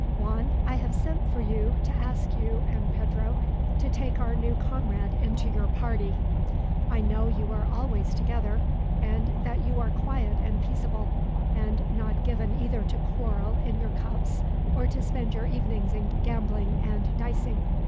"Juan, I have sent for you to ask you and Pedro to take our new comrade into your party. I know you are always together, and that you are quiet and peaceable, and not given either to quarrel in your cups or to spend your evenings in gambling and dicing.